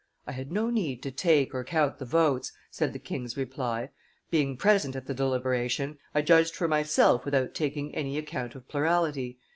"I had no need to take or count the votes," said the king's reply; "being present at the deliberation, I judged for myself without taking any account of plurality.